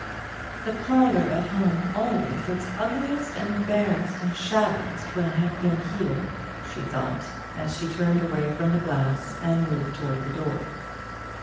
"The parlour at home always looks ugliest and barest and shabbiest when I have been here," she thought, as she turned away from the glass and moved towards the door.